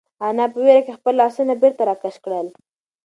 انا په وېره کې خپل لاسونه بېرته راکش کړل.